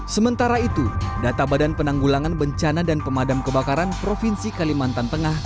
sementara itu data badan penanggulangan bencana dan pemadam kebakaran provinsi kalimantan tengah